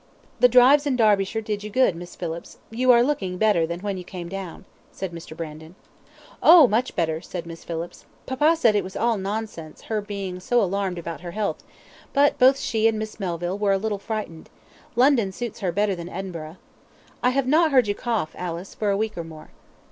"The drives in Derbyshire did you good, Miss Alice; you are looking better than when you came down," said Mr. Brandon. "Oh! much better," said Miss Phillips. "Papa said it was all nonsense her being so alarmed about her health; but, both she and Miss Melville were a little frightened London suits her better than Edinburgh. I have not heard you cough, Alice, for a week or more."